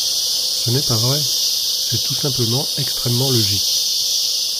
Ce n’est pas vrai ! C’est tout simplement extrêmement logique.